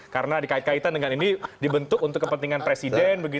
karena dikait kaitan dengan ini dibentuk untuk kepentingan presiden begitu